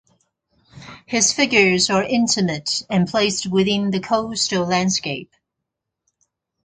His figures are intimate and placed within the coastal landscape.